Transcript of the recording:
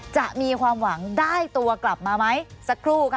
จะมีความหวังได้ตัวกลับมาไหมสักครู่ค่ะ